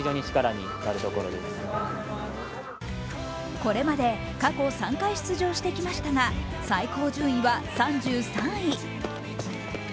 これまで過去３回出場してきましたが最高順位は３３位。